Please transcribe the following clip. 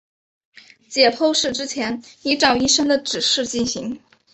解剖是之前依照医生的指示进行。